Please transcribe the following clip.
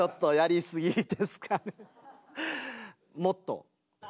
もっと？